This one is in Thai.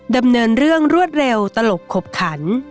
ดำเนินเรื่องรวดเร็วตลกขบขัน